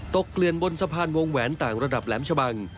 เกลื่อนบนสะพานวงแหวนต่างระดับแหลมชะบัง